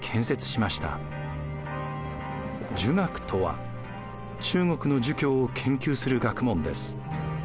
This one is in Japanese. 儒学とは中国の儒教を研究する学問です。